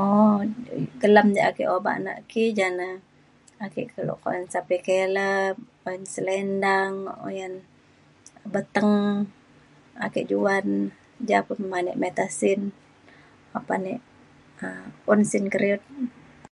um kelem ja ake obak na ki ja na ake kelo [unintelligible] ban selendang uyan beteng ake juan ja pa pe meta sin apan e um un sin kediut